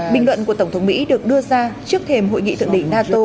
bình luận của tổng thống mỹ được đưa ra trước thềm hội nghị thượng đỉnh nato